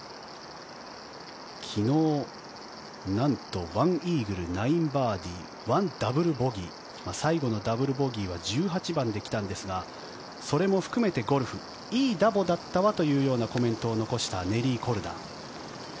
昨日、なんと１イーグル９アンダー、１ダブルボギー最後のダブルボギーは１８番で来たんですがそれも含めてゴルフいいダボだったわというコメントを残したネリー・コルダ。